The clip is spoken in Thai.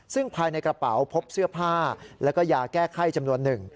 ซึ่งภายในกระเป๋าพบเสื้อผ้าแล้วก็ยาแก้ไข้จำนวนหนึ่ง